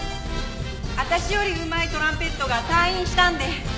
私よりうまいトランペットが退院したんで。